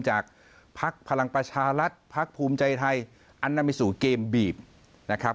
จากพัคภลังประชารัฐพัคภูมิใจไทยอนามิสู่เกมบีบ